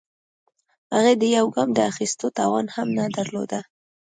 هغې د يوه ګام د اخيستو توان هم نه درلوده.